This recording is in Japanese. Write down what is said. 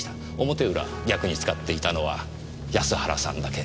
表裏逆に使っていたのは安原さんだけ。